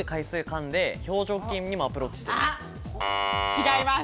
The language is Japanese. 違います。